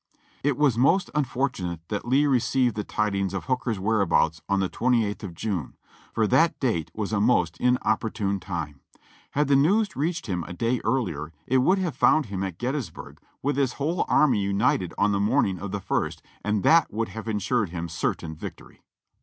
It was most unfortunate that Lee received the tidings of Hook er's whereabouts on the 28th of June, for that date was a most inopportune time; had the news reached him a day earlier it would have found him at Gettysburg with his whole army united on the morning of the ist. and that would have insured him cer tain victory.